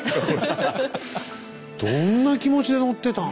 どんな気持ちで乗ってた。